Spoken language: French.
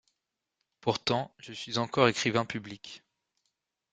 Pourtant je suis encore écrivain public.